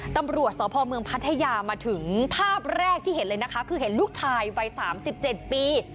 ตำรวจสพเมืองพัทยามาถึงภาพแรกที่เห็นเลยนะคะคือเห็นลูกชายวัย๓๗ปี